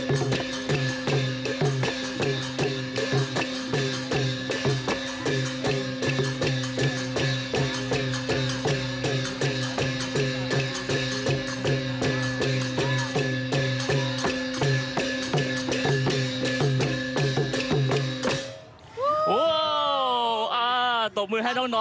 กำลังเพลินใช่ไหม